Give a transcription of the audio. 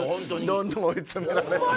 どんどん追い詰められて。